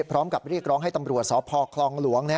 พร้อมกับเรียกร้องให้ตำรวจสพคลองหลวง